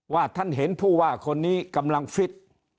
ท่านเห็นผู้ว่าคนนี้กำลังฟิต